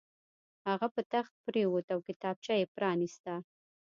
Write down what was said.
هغه په تخت پرېوت او کتابچه یې پرانیسته